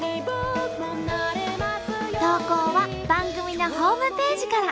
投稿は番組のホームページから。